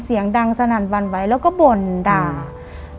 เสียงดังสนั่นวันไหวแล้วก็บ่นด่า